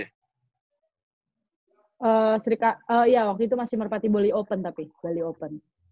eee sri kandi iya waktu itu masih merpati bali open tapi bali open